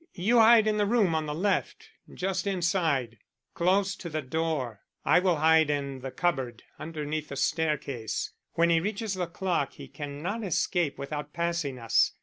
You hide in the room on the left just inside, close to the door. I will hide in the cupboard underneath the staircase. When he reaches the clock he cannot escape without passing us.